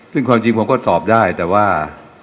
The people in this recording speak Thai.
ซึ่งความจริงผมก็ตอบได้แต่ว่า